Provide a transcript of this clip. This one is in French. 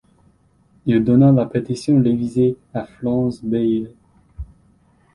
Il donna la partition révisée à Franz Bayer.